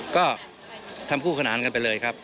ก็ทำคู่ขนานกันไปเลยครับ